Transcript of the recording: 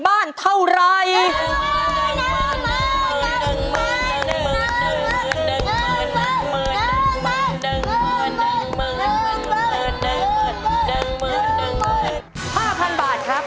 ๕๐๐๐บาทครับ